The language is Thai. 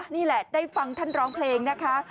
นี่แหละได้ฟังท่านร้องเพลงนะคะ